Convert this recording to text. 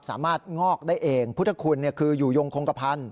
สามารถงอกได้เองพุทธคุณคืออยู่ยงคงกระพันธ